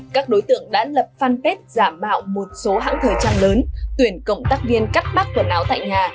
các đối tượng đã lập fanpage giả mạo một số hãng thời trang lớn tuyển cộng tác viên cắt bắt quần áo tại nhà